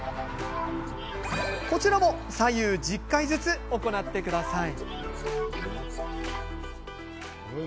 こちらも左右１０回ずつ行ってください。